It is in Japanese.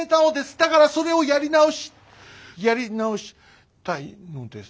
だからそれをやり直しやり直したいのです。